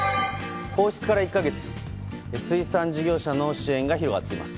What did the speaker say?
放出から１か月水産物の支援が広がっています。